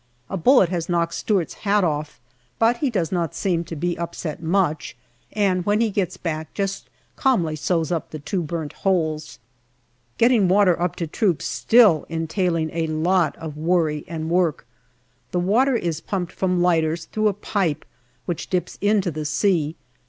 A bullet has knocked Stewart's hat off, but he does not seem to be upset much, and when he gets back just calmly sews up the two burnt holes. Getting water up to troops still entailing a lot of worry and work. The water is pumped from lighters through a pipe which dips into the sea.